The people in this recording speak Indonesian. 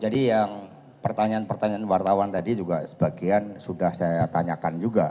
jadi yang pertanyaan pertanyaan wartawan tadi juga sebagian sudah saya tanyakan juga